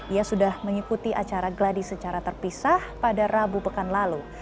ia sudah mengikuti acara gladi secara terpisah pada rabu pekan lalu